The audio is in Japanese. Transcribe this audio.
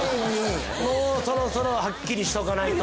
もうそろそろはっきりしとかないと。